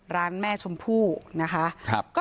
ร้านแม่ชมพู่นะคะ